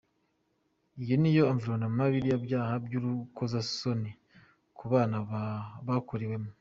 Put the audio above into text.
Iyo niyo environment biriya byaha by’urukoza isoni ku bana byakorewemo.